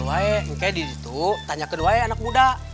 kayaknya di situ tanya kedua ya anak muda